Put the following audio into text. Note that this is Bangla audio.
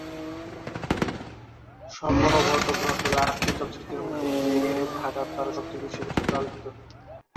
সম্ভবত ঘটকের আটটি চলচ্চিত্রের মধ্যে '"মেঘে ঢাকা তারা"' সবচেয়ে বেশি পরিচিত ও আলোচিত।